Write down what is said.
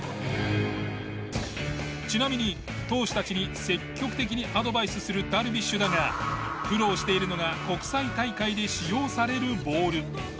ちなみに投手たちに積極的にアドバイスするダルビッシュだが苦労しているのが国際大会で使用されるボール。